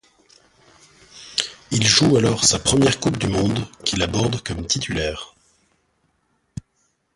Il joue alors sa première Coupe du Monde, qu'il aborde comme titulaire.